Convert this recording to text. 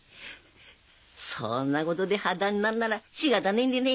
そんなことで破談になんならしかたねえんでねえかい。